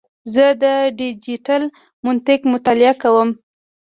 زه د ډیجیټل منطق مطالعه کوم.